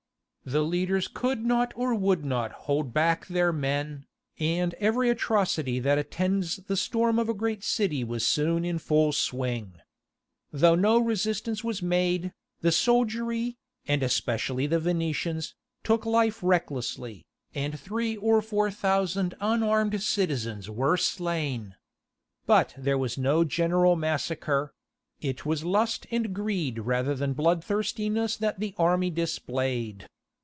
The leaders could not or would not hold back their men, and every atrocity that attends the storm of a great city was soon in full swing. Though no resistance was made, the soldiery, and especially the Venetians, took life recklessly, and three or four thousand unarmed citizens were slain. But there was no general massacre; it was lust and greed rather than bloodthirstiness that the army displayed.